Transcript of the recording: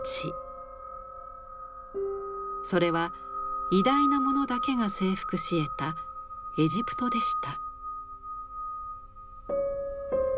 それは偉大な者だけが征服しえたエジプトでした。